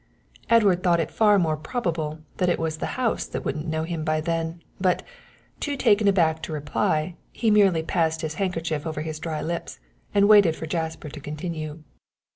Edward thought it far more probable that it was the house that wouldn't know him by then, but, too taken aback to reply, he merely passed his handkerchief over his dry lips and waited for Jasper to continue.